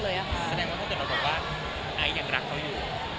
แสดงว่าพวกเจ้าเปล่าบอกว่าไอยังรักเขาอยู่